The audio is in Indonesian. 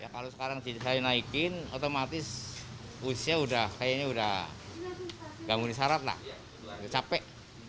kalau sekarang jadi saya naikin otomatis usia kayaknya udah gangguin syarat lah udah capek